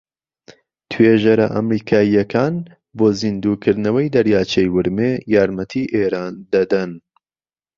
توێژەرە ئەمریكاییەكان بۆ زیندووكردنەوەی دەریاچەی ورمێ یارمەتی ئێران دەدەن